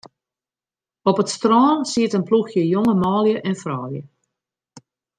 Op it strân siet in ploechje jonge manlju en froulju.